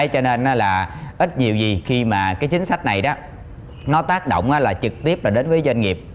cho nên là ít nhiều gì khi mà cái chính sách này đó nó tác động là trực tiếp là đến với doanh nghiệp